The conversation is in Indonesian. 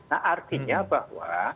nah artinya bahwa